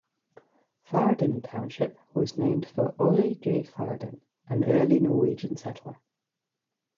Farden Township was named for Ole J. Farden, an early Norwegian settler.